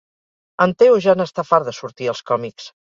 En Teo ja n'està fart de sortir als còmics